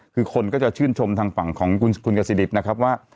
คือคนก็จะชื่นชมทางฝั่งของคุณกสดิบว่า